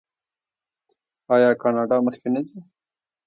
آیا کاناډا مخکې نه ځي؟